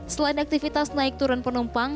selain aktivitas naik turun penumpang